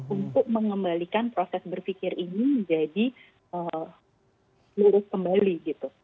untuk mengembalikan proses berpikir ini menjadi lurus kembali gitu